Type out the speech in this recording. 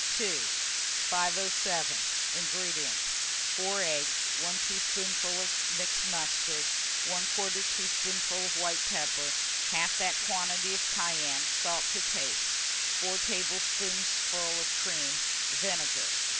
II. 507. INGREDIENTS. 4 eggs, 1 teaspoonful of mixed mustard, 1/4 teaspoonful of white pepper, half that quantity of cayenne, salt to taste, 4 tablespoonfuls of cream, vinegar.